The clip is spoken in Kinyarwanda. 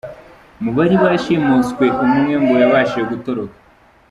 Mu bari bashimuswe, umwe ngo yabashije gutoroka.